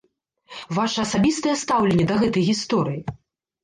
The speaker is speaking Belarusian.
Ваша асабістае стаўленне да гэтай гісторыі?